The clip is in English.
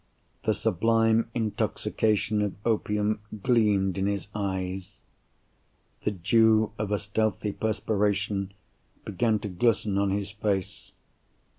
The sublime intoxication of opium gleamed in his eyes; the dew of a stealthy perspiration began to glisten on his face.